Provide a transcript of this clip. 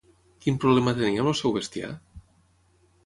Quin problema tenia amb el seu bestiar?